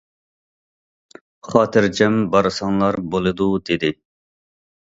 خاتىرجەم بارساڭلار بولىدۇ، دېدى.